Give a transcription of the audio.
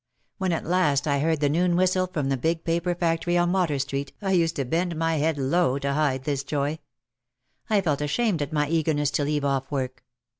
When at last I heard the noon whistle from the big paper factory on Water Street I used to bend my head low to hide this joy. I felt ashamed at my eagerness to leave off work.